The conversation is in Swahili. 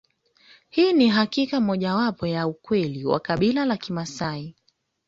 Hii ni hakika moja wapo ya ukweli wa kabila ya Kimaasai